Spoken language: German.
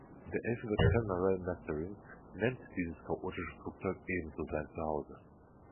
Der Elfengott Fenmarel Mestarine nennt dieses chaotische Flugzeug ebenso sein Zuhause.